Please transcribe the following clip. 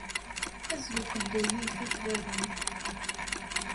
Azzel uqbel ad yifit lawan.